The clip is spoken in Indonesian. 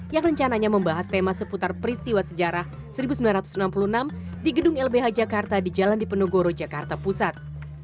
yang rencananya membahas tema seputar peristiwa sejarah seribu sembilan ratus enam puluh enam di gedung lbh jakarta di jalan dipenegoro jakarta pusat